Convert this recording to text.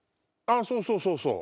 そうそうそうそう。